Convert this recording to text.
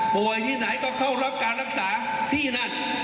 ที่ไหนก็เข้ารับการรักษาที่นั่น